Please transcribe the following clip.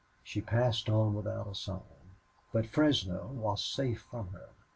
She passed on without a sign. But Fresno was safe from her.